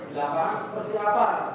laporan seperti apa